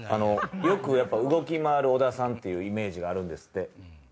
よく動き回る小田さんっていうイメージがあるんですって。